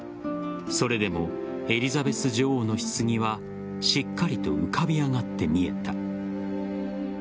それでもエリザベス女王の棺はしっかりと浮かび上がって見えた。